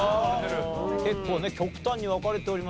結構ね極端に分かれておりますが。